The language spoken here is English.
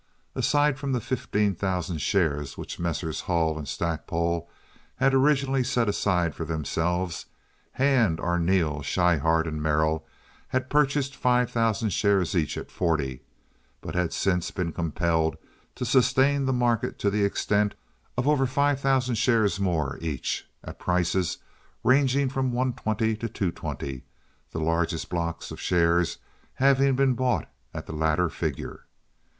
Aside from the fifteen thousand shares which Messrs. Hull and Stackpole had originally set aside for themselves, Hand, Arneel, Schryhart, and Merrill had purchased five thousand shares each at forty, but had since been compelled to sustain the market to the extent of over five thousand shares more each, at prices ranging from one twenty to two twenty, the largest blocks of shares having been bought at the latter figure.